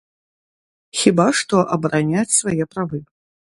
Хіба што абараняць свае правы.